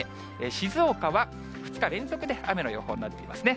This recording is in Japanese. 静岡は２日連続で雨の予報になっていますね。